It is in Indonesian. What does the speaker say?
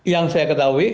yang saya ketahui